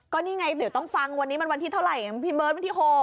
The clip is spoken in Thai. ก็นี่ไงเดี๋ยวต้องฟังวันนี้มันวันที่เท่าไหร่พี่เบิร์ตวันที่๖